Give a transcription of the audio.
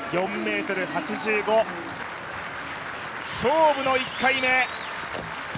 ４ｍ８５、勝負の１回目。